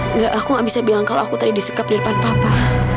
enggak aku gak bisa bilang kalau aku tadi disekap di depan papa